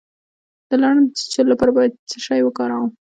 د لړم د چیچلو لپاره باید څه شی وکاروم؟